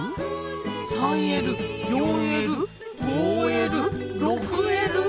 ３Ｌ４Ｌ５Ｌ６Ｌ！？